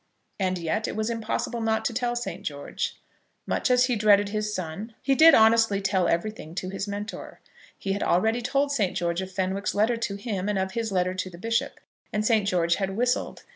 And yet it was impossible not to tell St. George. Much as he dreaded his son, he did honestly tell everything to his Mentor. He had already told St. George of Fenwick's letter to him and of his letter to the bishop, and St. George had whistled.